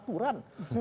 ini negara penuh aturan